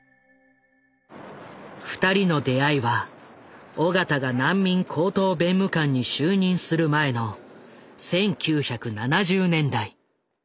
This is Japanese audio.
２人の出会いは緒方が難民高等弁務官に就任する前の１９７０年代。